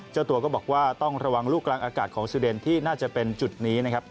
เจ้าตัวก็บอกว่าต้องระวังลูกกลางอากาศของสุเดนที่น่าจะเป็นจุดนี้นะครับ